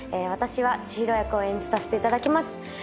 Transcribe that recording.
私は千尋役を演じさせていただきます。